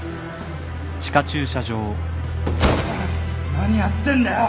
何やってんだよ！